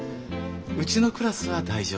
うちのクラスは大丈夫。